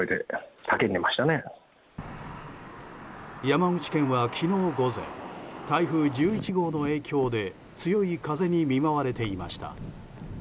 山口県は昨日午前台風１１号の影響で強い風に見舞われていました。